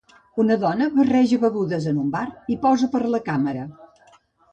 Una dona barreja begudes en un bar i posa per la càmera.